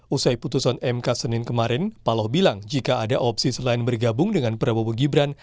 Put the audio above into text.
usai putusan mk senin kemarin paloh bilang jika ada opsi selain bergabung dengan prabowo gibran